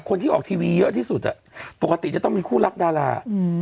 คนที่ออกทีวีเยอะที่สุดอ่ะปกติจะต้องมีคู่รักดาราอืม